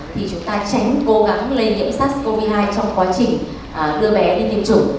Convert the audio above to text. thì chúng ta tránh cố gắng lên nhiễm sars cov hai trong quá trình đưa bé đi tiêm chủng